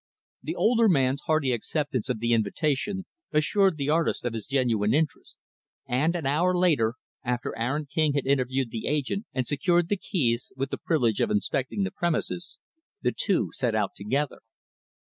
The older man's hearty acceptance of the invitation assured the artist of his genuine interest, and, an hour later after Aaron King had interviewed the agent and secured the keys, with the privilege of inspecting the premises the two set out together.